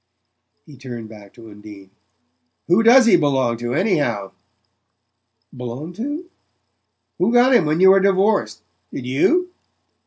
He turned back to Undine. "Who DOES he belong to, anyhow?" "Belong to?" "Who got him when you were divorced? Did you?"